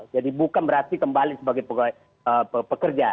jadi bukan berarti kembali sebagai pekerja